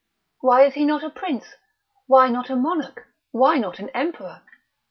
Why is he not a prince, why not a monarch, why not an emperor?